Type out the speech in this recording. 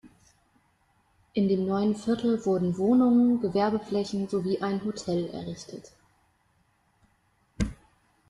In dem neuen Viertel wurden Wohnungen, Gewerbeflächen sowie ein Hotel errichtet.